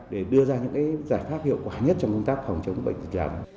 để đưa ra những giải pháp hiệu quả nhất cho công tác phòng chống bệnh